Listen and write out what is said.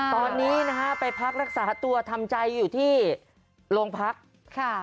ตอนนี้นะฮะไปพักรักษาตัวทำใจอยู่ที่โรงพักค่ะ